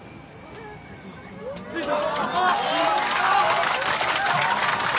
着いた。